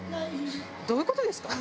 どういう事ですか？